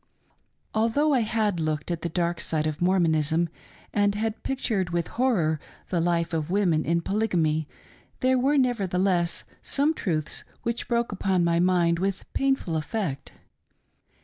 Although I had looked at the dark side of Mormonism and had pictured witk horror the life of women in Polygamy, there were nevertheless some truths which broke upon my mind with painful effect.